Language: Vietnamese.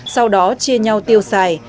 sau đó chia nhau tiêu xài